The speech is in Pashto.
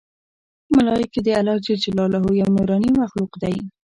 ملایکې د الله ج یو نورانې مخلوق دی